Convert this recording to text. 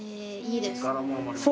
柄物もあります。